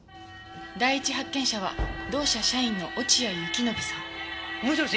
第１発見者は同社社員の落合幸信さん。もしもし？